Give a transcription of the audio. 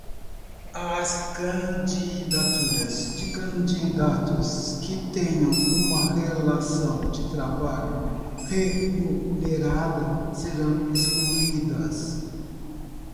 As candidaturas de candidatos que tenham uma relação de trabalho remunerada serão excluídas.